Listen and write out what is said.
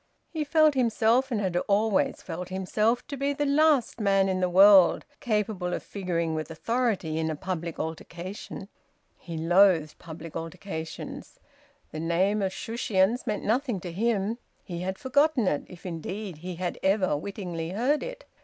He felt himself, and had always felt himself, to be the last man in the world capable of figuring with authority in a public altercation. He loathed public altercations. The name of Shushions meant nothing to him; he had forgotten it, if indeed he had ever wittingly heard it.